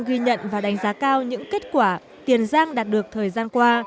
ghi nhận và đánh giá cao những kết quả tiền giang đạt được thời gian qua